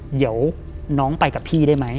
เดี๋ยวน้องไปกับพี่ได้ไหม